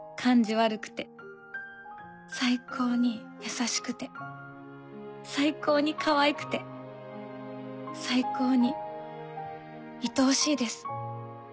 悪くて最高に優しくて最高にかわいくて最高にいとおしいです。